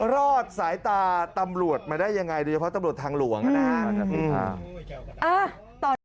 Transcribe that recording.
รอดสายตาตำรวจมาได้ยังไงโดยเฉพาะตำรวจทางหลวงนะครับ